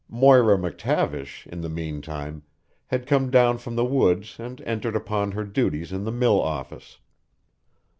Moira McTavish, in the meantime, had come down from the woods and entered upon her duties in the mill office.